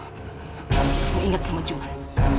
kamu ingat sama juhan